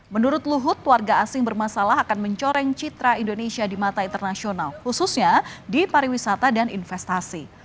menurut luhut warga asing bermasalah akan mencoreng citra indonesia di mata internasional khususnya di pariwisata dan investasi